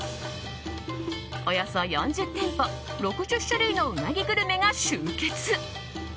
およそ４０店舗、６０種類のうなぎグルメが集結。